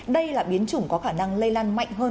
đây là biến chủng có khả năng lây lan mạnh hơn